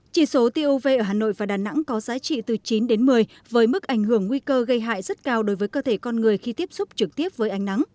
chỉ số tiêu uv ở hà nội và đà nẵng có giá trị từ chín đến một mươi với mức ảnh hưởng nguy cơ gây hại rất cao đối với cơ thể con người khi tiếp xúc trực tiếp với ánh nắng